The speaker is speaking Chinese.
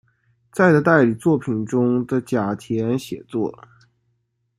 在的代理作品中的甲田写作。